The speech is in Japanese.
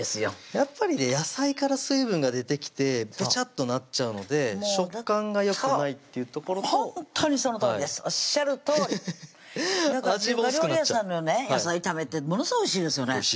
やっぱりね野菜から水分が出てきてぺちゃっとなっちゃうので食感がよくないっていうところとほんとにそのとおりですおっしゃるとおり味も薄くなっちゃう中華料理屋さんのね野菜炒めってものすごいおいしいですよね